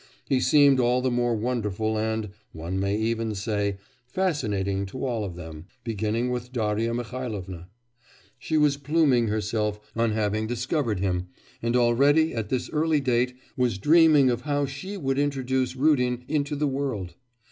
He seemed all the more wonderful and, one may even say, fascinating to all of them, beginning with Darya Mihailovna. She was pluming herself on having discovered him, and already at this early date was dreaming of how she would introduce Rudin into the world.